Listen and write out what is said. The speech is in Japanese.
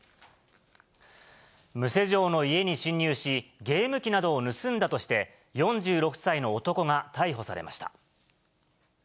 無施錠の家に侵入し、ゲーム機などを盗んだとして、４６歳の男が逮捕されました。